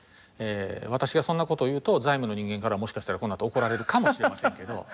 私がそんなこと言うと財務の人間からもしかしたらこのあと怒られるかもしれませんけど。